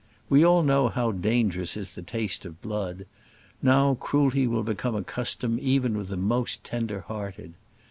We all know how dangerous is the taste of blood; now cruelty will become a custom even with the most tender hearted.